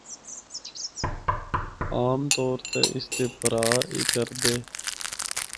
عام طور تے اس دے پراہا اے کردے۔